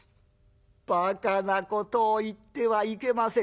ばかなことを言ってはいけません。